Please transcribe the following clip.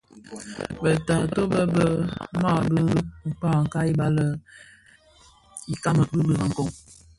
Be taatôh be be mahebe bë ka kabiya bi ilami ki birakoň.